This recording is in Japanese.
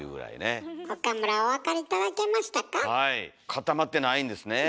固まってないんですねえ。